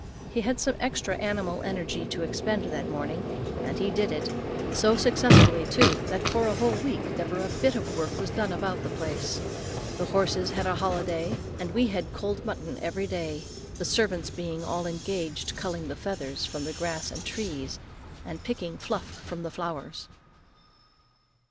He had some extra animal energy to expend that morning, and he did it so successfully, too, that for a whole week never a bit of work was done about the place. The horses had a holiday, and we had cold mutton every day, the servants being all engaged culling the feathers from the grass and trees, and picking the fluff from the flowers.